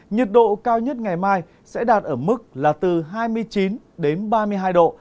nhiệt độ cao nhất ngày mai sẽ đạt ở mức là từ hai mươi chín đến ba mươi hai độ